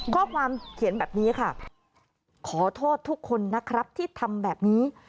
ข้อความเขียนแบบนี้ค่ะขอโทษทุกคนนะครับที่ทำแบบนี้